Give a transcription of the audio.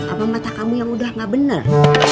apa mata kamu yang udah gak bener